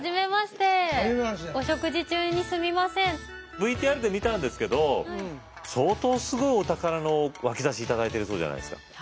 ＶＴＲで見たんですけど相当すごいお宝の脇差頂いてるそうじゃないですか？